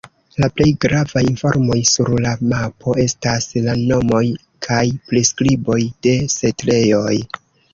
La plej gravaj informoj sur la mapo estas la nomoj kaj priskriboj de setlejoj.